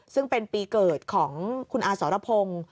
ซึ่งเป็นปีเกิดของคุณอาสรพงศ์